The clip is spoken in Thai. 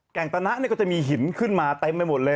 งตนะก็จะมีหินขึ้นมาเต็มไปหมดเลย